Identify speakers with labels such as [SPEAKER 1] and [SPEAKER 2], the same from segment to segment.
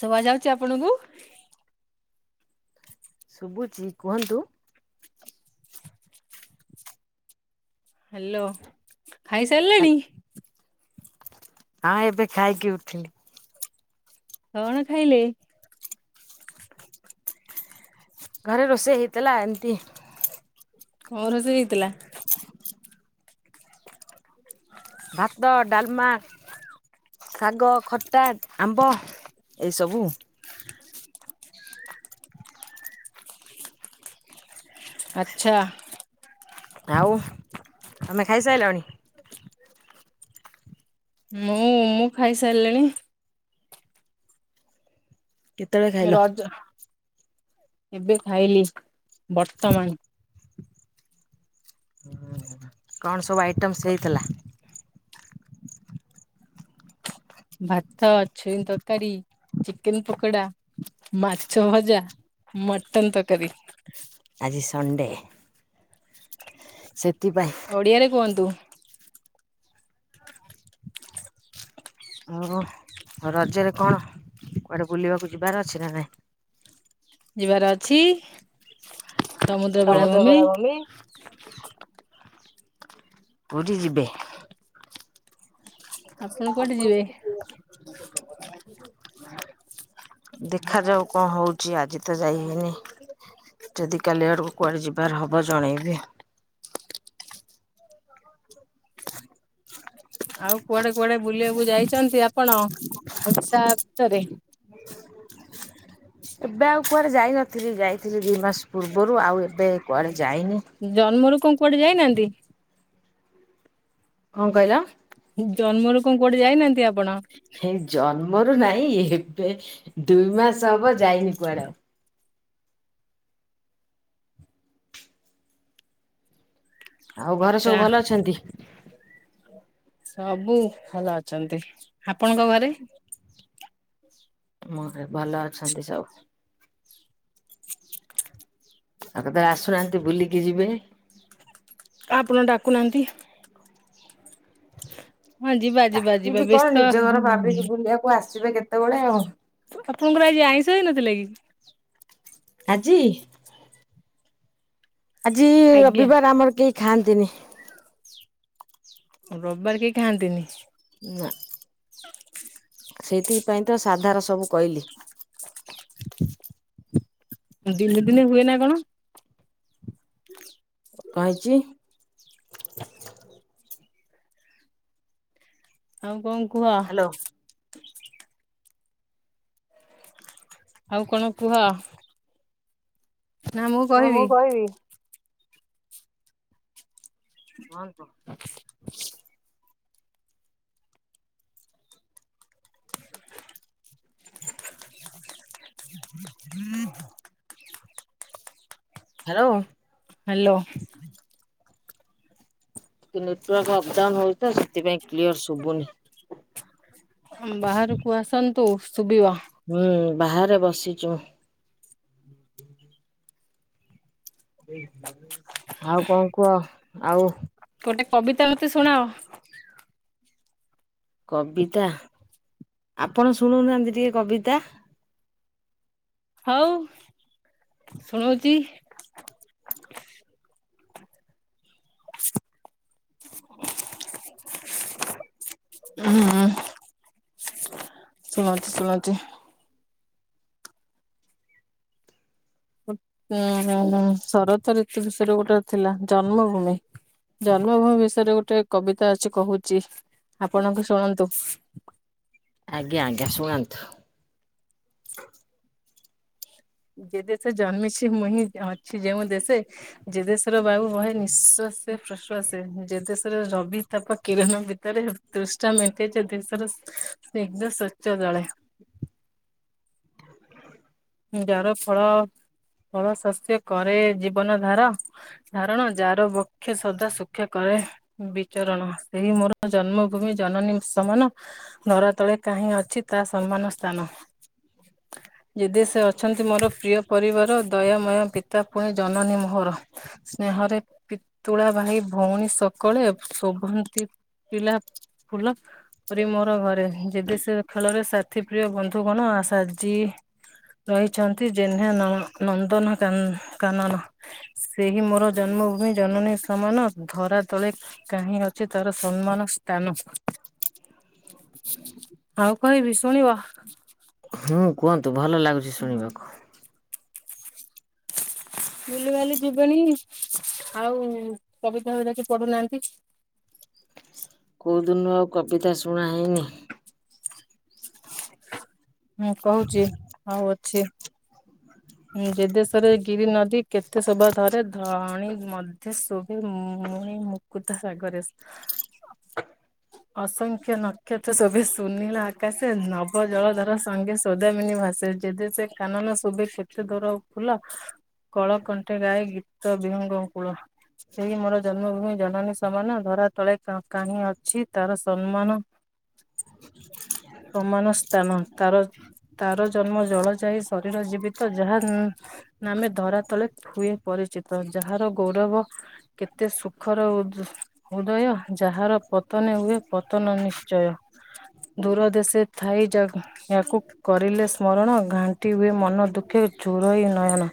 [SPEAKER 1] ଶଭା ଯାଉଛି ଆପଣଙ୍କୁ?
[SPEAKER 2] ଶୁବୁଚି କୁହନ୍ତୁ।
[SPEAKER 1] ହାଲୋ ଖାଇସାଲେଣି?
[SPEAKER 2] ହଁ, ଏବେ ଖାଇକି ଉଠିଲି।
[SPEAKER 1] କଅଣ ଖାଇଲେ?
[SPEAKER 2] ଘରେ ରୋଷେଇ ହେଇଥିଲା ଏମିତି।
[SPEAKER 1] କଣ ରୋଷେଇ ହେଇଥିଲା? [unintelligible]
[SPEAKER 2] ଭାତ, ଡାଲମା ଶାଗ, ଖଟା, ଆମ୍ବ ଏସବୁ
[SPEAKER 1] ଆଛା।
[SPEAKER 2] ଆଉ, ତମେ ଖାଇସାରିଲଣି?
[SPEAKER 1] ମୁଁ, ମୁଁ ଖାଇସାରିଲିଣି।
[SPEAKER 2] କେତେବେଳେ ଖାଇଲ?
[SPEAKER 1] ରଜ, ଏବେ ଖାଇଲି ବର୍ତ୍ତମାନ।
[SPEAKER 2] କଣ ସବୁ ଆଇଟମ୍ସ ହେଇଥିଲା?
[SPEAKER 1] ଭାତ, ଛୁଇଁ ତରକାରୀ, ଚିକେନ ପକୋଡା। ମାଛ ଭଜା, ମଟନ ତରକାରୀ।
[SPEAKER 2] ଆଜି ସଣ୍ଡେ। ସେଥିପାଇଁ
[SPEAKER 1] ଓଡ଼ିଆରେ କୁଅନ୍ତୁ?
[SPEAKER 2] ଆଉ, ରଜରେ କଣ, କୁଆଡେ ବୁଲିବାକୁ ଯିବାର ଅଛି, ନା ନାଇଁ?
[SPEAKER 1] ଯିବାର ଅଛି, ସମୁଦ୍ର ବେଳାଭୂମି।
[SPEAKER 2] କିଏ? ପୁରୀ ଯିବେ।
[SPEAKER 1] ଆପଣ କୁଆଡେ ଯିବେ?
[SPEAKER 2] [unintelligible]
[SPEAKER 1] [unintelligible]
[SPEAKER 2] ଦେଖାଯାଉ କଣ ହଉଚି, ଆଜି ତ ଯାଇ ହେଇନି। ଯଦି କାଲି ଆଡ଼କୁ କୁଆଡେ ଯିବାର ହବ, ଜଣେଇବି।
[SPEAKER 1] ଆଉ କୁଆଡେ କୁଆଡେ ବୁଲିବାକୁ ଯାଇଛନ୍ତି ଆପଣ, ଓଡିଶା ଭିତରେ?
[SPEAKER 2] ଏବେ ଆଉ କୁଆଡ଼େ ଯାଇନଥିଲି, ଯାଇଥିଲି ଦୁଇ ମାସ ପୂର୍ବରୁ, ଆଉ ଏବେ କୁଆଡେ ଯାଇନି?
[SPEAKER 1] ଜନ୍ମରୁ କଣ କୁଆଡେ ଯାଇନାହାନ୍ତି?
[SPEAKER 2] କଣ କହିଲ?
[SPEAKER 1] ଜନ୍ମରୁ କଣ କୁଆଡେ ଯାଇନାହାନ୍ତି ଆପଣ?
[SPEAKER 2] ଏ ଜନ୍ମରୁ ନାଇଁ, ଏବେ ଦୁଇ ମାସ ହବ ଯାଇନି କୁଆଡେ ଆଉ। ଆଉ ଘରେ ସବୁ
[SPEAKER 1] ଆଚା।
[SPEAKER 2] ଭଲ ଅଛନ୍ତି?
[SPEAKER 1] ସବୁ ଭଲ ଅଛନ୍ତି, ଆପଣଙ୍କ ଘରେ?
[SPEAKER 2] ମୋରେ, ଭଲ ଅଛନ୍ତି ସବୁ।
[SPEAKER 1] [unintelligible]
[SPEAKER 2] ଆଉ କେତେବେଳେ ଆସୁନାହାନ୍ତି, ବୁଲିକି ଯିବେ।
[SPEAKER 1] ଆପଣ ଡାକୁନାହାନ୍ତି? ହଁ ଯିବା, ଯିବା, ଯିବା,
[SPEAKER 2] ଯିବି କଣ
[SPEAKER 1] ବ୍ୟସ୍ତ
[SPEAKER 2] ନିଜ ଘର ଭାବିକି ବୁଲିବାକୁ ଆସିବେ କେତେବେଳେ ଆଉ।
[SPEAKER 1] ଆପଣଙ୍କର ଆଜି ଆଇଁଷ ହେଇନଥିଲା କି?
[SPEAKER 2] ଆଜି ଆଜି
[SPEAKER 1] ଆଜ୍ଞା
[SPEAKER 2] ରବିବାର, ଆମର କେହି ଖାଆନ୍ତିନି।
[SPEAKER 1] ରବିବାର କେହି ଖାଆନ୍ତିନି?
[SPEAKER 2] ନା, ସେଇଥିପାଇଁ ତ ସାଧାର ସବୁ କଇଲି।
[SPEAKER 1] ଦିନେ, ଦିନେ ହୁଏ ନା କଣ? ହଁ
[SPEAKER 2] କଁ ହେଇଚି?
[SPEAKER 1] ଆଉ କଣ କୁହ?
[SPEAKER 2] ହ୍ୟାଲୋ।
[SPEAKER 1] ଆଉ କଣ କୁହ? ନା ମୁଁ କହିବି।
[SPEAKER 2] ହଁ ହଁ। ହୁଁ ହ୍ୟାଲୋ।
[SPEAKER 1] ହ୍ୟାଲୋ।
[SPEAKER 2] ନେଟୱାର୍କ ଅପଡାଉନ ହଉଚି ତ ସେଥିପାଇଁ କ୍ଲିୟର ଶୁବୁନି।
[SPEAKER 1] ବାହାରକୁ ଆସନ୍ତୁ ଶୁବିବ।
[SPEAKER 2] ହୁଁ ବାହାରେ ବସିଛୁ। ଆଉ କଣ କୁହ? ଆଉ
[SPEAKER 1] ଗୋଟେ କବିତା ମତେ ଶୁଣାଅ।
[SPEAKER 2] କବିତା ଆପଣ ଶୁଣଉନାହାଁନ୍ତି ଟିକେ କବିତା।
[SPEAKER 1] ହଉ ଶୁଣଉଛି। ହୁଁ ଶୁଣଉଚି ଶୁଣଉଚି। ଉଁ ହୁଁ ହୁଁ ଶରତ ଋତୁ ବିଷୟରେ ଗୋଟେ ଥିଲା ଜନ୍ମଭୂମି। ଜନ୍ମଭୂମି ବିଷୟରେ ଗୋଟେ କବିତା ଅଛି କହୁଛି ଆପଣଙ୍କୁ ଶୁଣନ୍ତୁ।
[SPEAKER 2] ଆଜ୍ଞା ଆଜ୍ଞା ଶୁଣାନ୍ତୁ।
[SPEAKER 1] ଯେ ଦେସେ ଜନ୍ମିଛି ମୁଁ ହିଁ ଅଛି ଯେଉଁ ଦେଶେ ଯେ ଦେଶର ବାବୁ ବହେ ନିଶ୍ଵାସ ସେ ପ୍ରଶ୍ୱାସେ ଯେ ଦେଶର ରବି ତାପ କିରଣ ଭିତରେ ତୃଷ୍ନା ମେଣ୍ଟେ ଯେ ଦେଶର ଏକଦମ ସଵଚ୍ଛ ଜଳ [inaudible] ଁ ଯାର ଫଳ ଫଳ ଶସ୍ୟ କରେ ଜୀବନ ଧାର ଧାରଣ ଯାର ବକ୍ଷେ ସଦା ଶୂକ୍ଷା କରେ ବିଚରଣ ସେଇ ମୋର ଜନ୍ମଭୂମି ଜନନୀ ସମାନ। ଧରା ତଳେ କାହିଁ ଅଛି ତା ସନମାନ ସ୍ଥାନ ଯେଦେଶେ ସେ ଅଛନ୍ତି ମୋର ପ୍ରିୟ ପରିବାର ଦୟାମୟ ପିତା ପୁଣି ଜନନୀ ମୋହର। ସ୍ନେହରେ ପିତୁଳା ଭାଇ ଭଉଣୀ ସକଳେ ଶୋଭନ୍ତି ପିଲା ଫୁଲ ପରି ମୋର ଘରେନୀ ଜେ ଦେସେ ଖେଳରେ ସାଥି ପ୍ରିୟ ବନ୍ଧୁ କଣ ସାଜି ରହିଛନ୍ତି ଜେହ୍ନେ ନନ୍ଦନ କାନନ। ସେହି ମୋର ଜନ୍ମଭୂମି ଜନନୀ ସମାନ ଧରା ତଳେ କାହିଁ ଅଛି ତାର ସମ୍ମାନ ତାନ ଆଉ କହିବି ଶୁଣିବ?
[SPEAKER 2] ହୁଁ କୁହନ୍ତୁ ଭଲ ଲାଗୁଛି ଶୁଣିବାକୁ।
[SPEAKER 1] ବୁଲିିବାଲି ଯିବନି ଆଉ କବିତା ହୁରାକେ ପଢୁନାହାଁନ୍ତି
[SPEAKER 2] କଉଦିନୁ ଆଉ କବିତା ଶୁଣା ହେଇନି।
[SPEAKER 1] ହୁଁ କହୁଚି ଆଉ ଅଛି। ଜେ ଦେଶରେ ଗିରି ନଦୀ କେତେ ଶୋଭା ଧରେ ଧଣୀ ମଧ୍ୟ ଶୁଭେ ମୁଣି ମୁ କୁତା ସାଗରେ ଅସଂଖ୍ୟ ନକ୍ଷତ୍ର ଶୋଭେ ସୁନୀଳ ଆକାଶ ନବ ଜଳ ଧର ସଙ୍ଗେ ସୌଦାମିନି ଭାସେ। ଯେ ଦେସେ କାନନ ଶୁଭେ ସେ କେଦୋର ଫୁଲ କଳ କଣ୍ଠେ ଗାଏ ଗୀତ ବିହଙ୍ଗ କୂଳ। ସେଇ ମୋର ଜନ୍ମଭୂମି ଜନନୀ ସମାନ ଧରା ତଳେ କାହିଁ ଅଛି ତାର ସମ୍ମାନ। ହ ସମାନ ସ୍ଥାନ ତାର ତାର ଜନ୍ମ ଜଳ ଯାଇ ଶରୀର ଜୀବି ତ ଯାହା ନ ନାମେ ଧରା ତଳେ ଫୁଏ ପରିଚିତ ଯାହାର ଗୌରବ କେତେ ସୁଖର ଓଜ ହୁଦୟ ଯାହାର ପତନେ ହୁଏ ପତନ ନିଶ୍ଚୟ। ଦୂର ଦେଶ ଥାଇ ଯା ୟାକୁ କରିଲେ ସ୍ମରଣ ଘାଣ୍ଟି ହୁଏ ମନ ଦୁଃ କେ ଚୁଳଇ ନୟନ।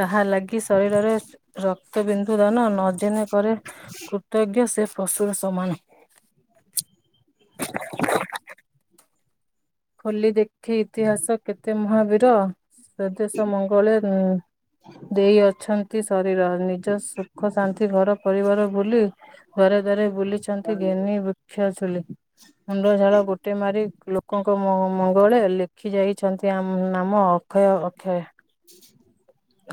[SPEAKER 1] ତାହା ଲାଗି ଶରୀରରେ ରକ୍ତ ବିିନ୍ଦୁ ଦାନ ନଦେନେ କରେ କୃତଜ୍ଞ ସେ ପଶୁର ସମାନେ। ଖୋଲି ଦେଖେ ଇତିହାସ କେତେ ମହାବୀର ସ୍ୱଦେଶ ମଙ୍ଗଳେ ଏଁ ଦେଇ ଅଛନ୍ତି ଶରୀର ନିଜ ସୁଖ ଶାନ୍ତି ଘର ପରିବାର ଭୁଲି। ହରେ ଦ୍ଵାରେ ବୁଲିଛନ୍ତି ଘେନି ବୃକ୍ଷ ଚୁଲି ମୁଣ୍ଡ ଝାଳ ଗୋଟେ ମାରି ଲୋକ ଲୋକଙ୍କ ମ ମଙ୍ଗଳ ଲେଖି ଯାଇଛନ୍ତି ଆମ ନାମ ଅକ୍ଷୟ ଅକ୍ଷୟ।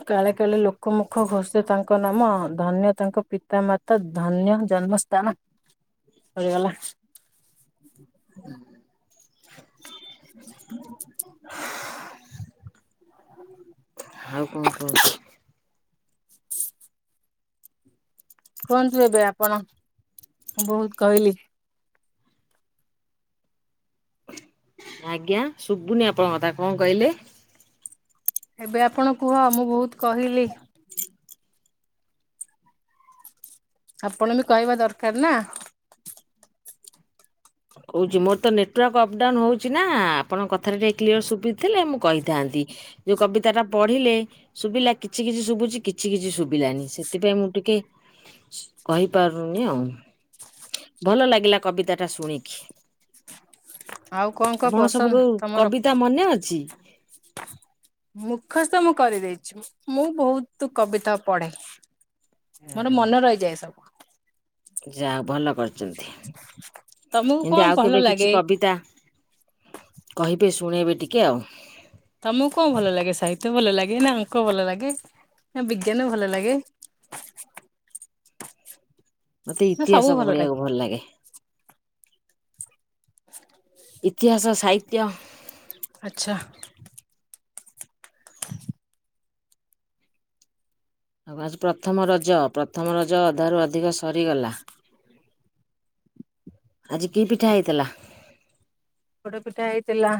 [SPEAKER 1] କାଳେ କାଳେ ଲୋକମୁଖ ଘୋଷେ ତାଙ୍କ ନାମ ଧନ୍ୟ ତାଙ୍କ ପିତା ମାତା ଧନ୍ୟ ଜନ୍ମସ୍ଥାନ। ସରିଗଲା।
[SPEAKER 2] ଆଉ କଁ ଖବର।
[SPEAKER 1] କୁହନ୍ତୁ ଏବେ ଆପଣ ମୁଁ ବହୁତ କହିଲି।
[SPEAKER 2] ଆଜ୍ଞା ଶୁବୁନି ଆପଣଙ୍କ କଥା କଣ କହିଲେ।
[SPEAKER 1] ଏବେ ଆପଣ କୁହ ମୁଁ ବହୁତ କହିଲି। ଆପଣ ବି କହିବା ଦରକାର ନା।
[SPEAKER 2] କହୁଛି ମୋର ତ ନେଟୱାର୍କ ଅପ୍ ଡାଉନ୍ ହଉଛି ନା ଆପଣଙ୍କ କଥାରେ ଟିକେ କ୍ଲିୟର ଶୁଭି ଥିଲେ ମୁଁ କହିଥାନ୍ତି। ଯୋଉ କବିତା ଟା ପଢିଲେ? ଶୁଭିଲା କିଛି କିଛି ଶୁଭୁଛି କିଛି କିଛି ଶୁଭିଲାନି ସେଥିପାଇଁ ମୁଁ ଟିକେ କହିପାରୁନି ଆଉ ଭଲ ଲାଗିଲା କବିତା ଟା ଶୁଣିକି।
[SPEAKER 1] ଆଉ କଣ କଣ
[SPEAKER 2] ଆପଣଙ୍କ
[SPEAKER 1] ପସନ୍ଦ
[SPEAKER 2] ସବୁ
[SPEAKER 1] ତମର?
[SPEAKER 2] କବିତା ମନେ ଅଛି।
[SPEAKER 1] ମୁଖସ୍ଥ ମୁଁ କରିଦେଇଛି ମୁଁ ବହୁତ କବିତା ପଢେ। ମୋର ମନେ ରହିଯାଏ ସବୁ।
[SPEAKER 2] ଯାହା ଭଲ କରିଛନ୍ତି
[SPEAKER 1] ତମକୁ କଣ
[SPEAKER 2] ଏମତି ଆଉ
[SPEAKER 1] ଭଲ
[SPEAKER 2] କେବେ କିଛି
[SPEAKER 1] ଲାଗେ
[SPEAKER 2] କବିତା କହିବେ ଶୁଣେଇବେ ଟିକିଏ ଆଉ।
[SPEAKER 1] ତମକୁ କଣ ଭଲ ଲାଗେ ସାହିତ୍ୟ ଭଲ ଲାଗେ ନା ଅଙ୍କ ଭଲ ଲାଗେ ନା ବିଜ୍ଞାନ ଭଲ ଲାଗେ।
[SPEAKER 2] ମତେ ଇତିହାସ ବଢିବାକୁ ଭଲ ଲାଗେ। ଇତିହାସ ସାହିତ୍ୟ
[SPEAKER 1] ଆଚ୍ଛା।
[SPEAKER 2] ଆଉ ପ୍ରଥମ ରଜ ପ୍ରଥମ ରଜ ଅଧାରୁ ଅଧିକ ସରିଗଲା। ଆଜି କି ପିଠା ହେଇଥିଲା।
[SPEAKER 1] ପୋଡ଼ ପିଠ ହେଇଥିଲା।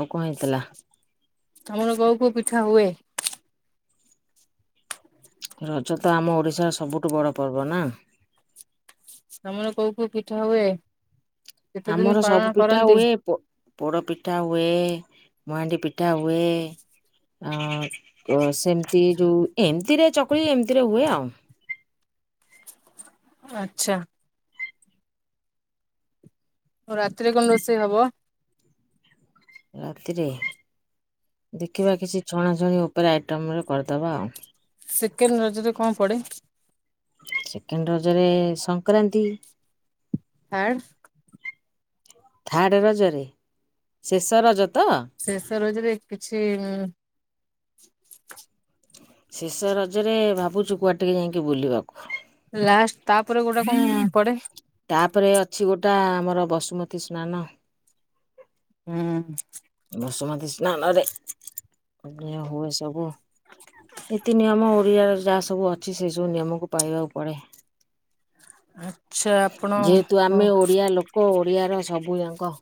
[SPEAKER 2] ଆଉ କଁ ହେଇଥିଲା।
[SPEAKER 1] ତମର କୋଉ କୋଉ ପିଠା ହୁଏ।
[SPEAKER 2] ରଜ ତ ଆମ ଓଡ଼ିଶାର ସବୁଠୁ ବଡ଼ ପର୍ବ ନା।
[SPEAKER 1] ତମର କୋଉ କୋଉ ପିଠା ହୁଏ। କେତେ ଦିନ
[SPEAKER 2] ଆମର
[SPEAKER 1] ପାଳନ
[SPEAKER 2] ସବୁ ପିଠା
[SPEAKER 1] କରନ୍ତି?
[SPEAKER 2] ହୁଏ। ପୋ ପୋଡ଼ ପିଠା ହୁଏ ମହାଣ୍ଡି ପିଠା ହୁଏ। ଅ ଅ ସେମତି ଯୋଉ ଏମିତିରେ ଚକୁଳି ଏମିତିରେ ହୁଏ ଆଉ।
[SPEAKER 1] ଆଚ୍ଛା। ଆଉ ରାତିରେ କଣ ରୋଷେଇ ହବ?
[SPEAKER 2] ରାତିରେ ଦେଖିବା କିଛି ଛଣାଛୁଣି ଉପରେ ଆଇଟମରେ କରିଦେବା ଆଉ।
[SPEAKER 1] ସେକେଣ୍ଡ ରଜରେ କଣ ପଡେ?
[SPEAKER 2] ସେକେଣ୍ଡ ରଜରେ ସଂକ୍ରାନ୍ତି।
[SPEAKER 1] ଥାର୍ଡ଼?
[SPEAKER 2] ଥାର୍ଡ ରଜରେ ଶେଷ ରଜ ତ?
[SPEAKER 1] ଶେଷ ରଜରେ କିଛି ଉଁ
[SPEAKER 2] ଶେଷ ରଜରେ ଭାବୁଛୁ କୁଆଡେ ଟିକେ ଯାଇକି ବୁଲିବାକୁ।
[SPEAKER 1] ଲାଷ୍ଟ ତାପରେ ଗୋଟା କଣ ପଡ?
[SPEAKER 2] ତାପରେ ଅଛି ଗୋଟା ଆମର ବସୁମତୀ ସ୍ନାନ।
[SPEAKER 1] ହୁଁ।
[SPEAKER 2] ବସୁମତୀ ସ୍ନାନରେ ଅନ୍ୟ ହୁଏ ସବୁ। ନିତି ନିୟମ ଓଡିଆ ର ଯାହା ସବୁ ଅଛି ସେଇ ସବୁ ନିୟମକୁ ପାଳିବାକୁ ପଡେ।
[SPEAKER 1] ଆ
[SPEAKER 2] ଯେହେତୁ ଆମେ ଓଡିଆ ଲୋକ ଓଡିଆ ର ସବୁ ଯାଙ୍କ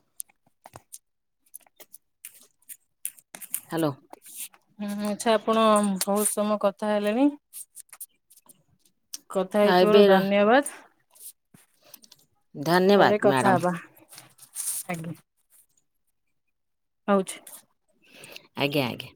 [SPEAKER 2] ହ୍ୟାଲୋ।
[SPEAKER 1] ହୁଁ ଆଛା ଆପଣ ବହୁତ ସମୟ କଥା ହେଲେଣି କଥା ହେଇଥିବାରୁ
[SPEAKER 2] ଏବେ
[SPEAKER 1] ଧନ୍ୟବାଦ।
[SPEAKER 2] ଧନ୍ୟବାଦ
[SPEAKER 1] ପରେ କଥା
[SPEAKER 2] ମ୍ୟାଡ଼ାମ
[SPEAKER 1] ହବା ଆଜ୍ଞା। ରହୁଛି।
[SPEAKER 2] ଆଜ୍ଞା ଆଜ୍ଞା।